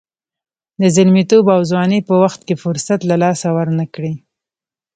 د زلمیتوب او ځوانۍ په وخت کې فرصت له لاسه ورنه کړئ.